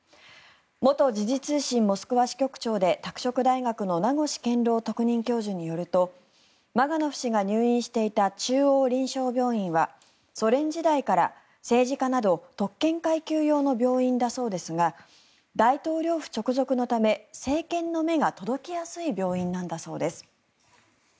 元時事通信モスクワ支局長で拓殖大学の名越健郎特任教授によるとマガノフ氏が入院していた中央臨床病院はソ連時代から、政治家など特権階級用の病院だそうですが大統領府直属のため政権の目が届きやすい病院なんだそうです。